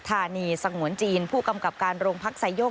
ธานีสงวนจีนผู้กำกับการโรงพักไซโยก